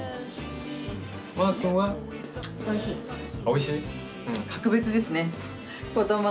おいしい？